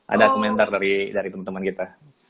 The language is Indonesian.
ada komentar dari teman teman kita